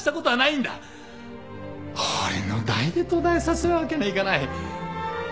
俺の代で途絶えさせるわけにはいかない。